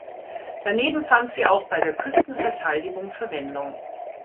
Daneben fand sie auch bei der Küstenverteidigung Verwendung.